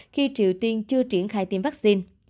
khi triều tiên chưa triển khai tiêm vaccine